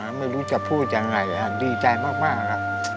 อันนี้ดีใจอย่างนั้นทำได้ไหมเนี่ย